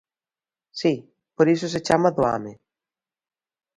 Si, por iso se chama Doame.